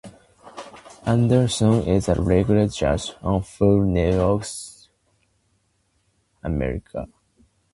Anderson is a regular judge on Food Network's "Iron Chef America".